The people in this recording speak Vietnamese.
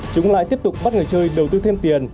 chúng lại tiếp tục bắt người chơi đầu tư thêm tiền